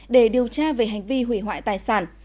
để điều tra về hành vi hủy hoại tài sản